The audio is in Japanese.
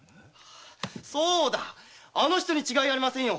そうその人に間違いありませんよ。